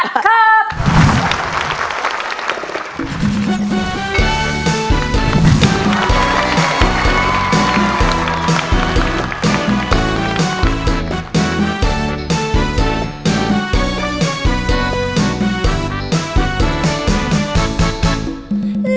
จำเทคนิคการร้องของอาจารย์หอยที่สอนได้แล้วใช่ไหมลูก